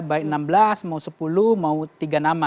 baik enam belas mau sepuluh mau tiga nama